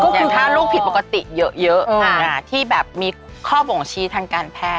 อย่างถ้าลูกผิดปกติเยอะที่แบบมีข้อบ่งชี้ทางการแพทย